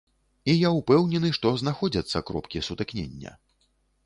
І я ўпэўнены, што знаходзяцца кропкі сутыкнення.